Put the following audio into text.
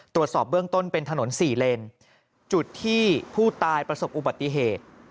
ตรวจสอบเบื้องต้นเป็นถนนสี่เลนจุดที่ผู้ตายประสบอุบัติเหตุ